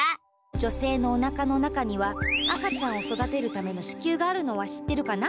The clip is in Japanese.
女せいのおなかの中には赤ちゃんをそだてるための子宮があるのは知ってるかな？